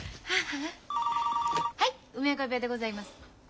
はい梅若部屋でございます。